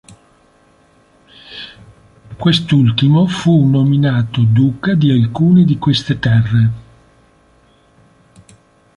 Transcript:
Quest'ultimo fu nominato duca di alcune di queste terre.